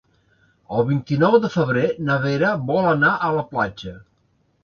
El vint-i-nou de febrer na Vera vol anar a la platja.